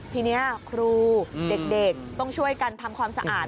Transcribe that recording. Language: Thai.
ทีนี้ครูเด็กต้องช่วยกันทำความสะอาด